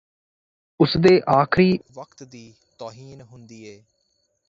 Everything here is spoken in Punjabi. ਉਸਦੇ ਆਖਰੀ ਵਕਤ ਦੀ ਤੌਹੀਨ ਹੁੰਦੀ ਏ